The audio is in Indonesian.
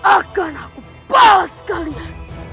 akan aku balas kalian